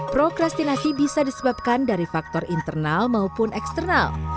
prokrastinasi bisa disebabkan dari faktor internal maupun eksternal